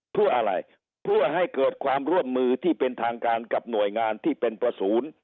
เพื่ออะไรเพื่อให้เกิดความร่วมมือที่เป็นทางการกับหน่วยงานที่เป็นประศูนย์